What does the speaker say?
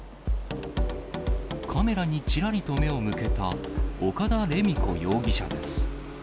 カメラにちらりと目を向けた、岡田礼美子容疑者です。